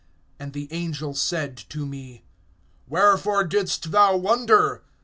(7)And the angel said to me: Wherefore didst thou wonder?